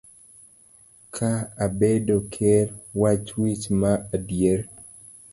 Ka abedo ker, wach wich ma adier.